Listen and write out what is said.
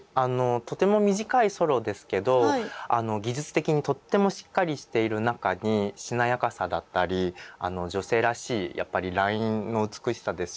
とても短いソロですけど技術的にとってもしっかりしている中にしなやかさだったり女性らしいやっぱりラインの美しさですよね。